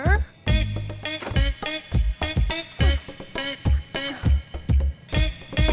mamah kemana yuk